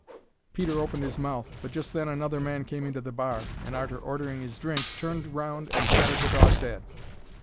Peter opened 'is mouth, but just then another man came into the bar, and, arter ordering 'is drink, turned round and patted the dog's 'ead.